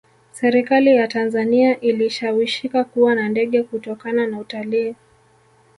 serikali ya tanzania ilishawishika kuwa na ndege kutokana na utalii